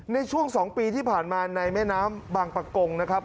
ในช่วง๒ปีที่ผ่านมาในแม่น้ำบางประกงนะครับ